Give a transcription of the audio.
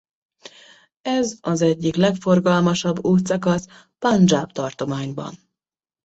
Ez az egyik legforgalmasabb útszakasz Pandzsáb tartományban.